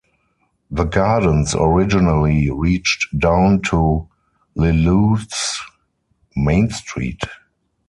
The gardens originally reached down to Lillooet's Main Street.